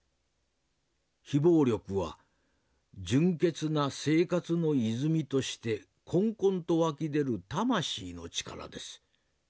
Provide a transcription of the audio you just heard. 非暴力は純潔な生活の泉としてこんこんと湧き出る魂の力です。